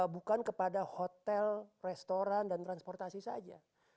bukan kepada hotel restoran dan transportasi saja